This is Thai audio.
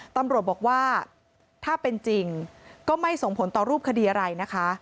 ตำรวจบอกว่าถ้าเป็นจริงก็ไม่ส่งผลต่อรูปคดีอะไรนะคะ